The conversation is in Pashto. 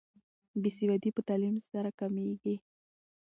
بې سوادي په تعلیم سره کمیږي.